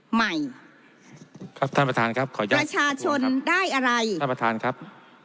ใหม่ครับท่านประธานครับขออนุญาตประชาชนได้อะไรท่านประธานครับ